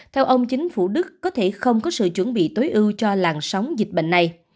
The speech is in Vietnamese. theo ông chính phủ đức có thể không có sự chuẩn bị tối ưu cho làn sóng dịch bệnh này